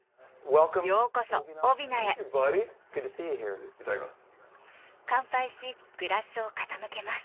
英語いただきます。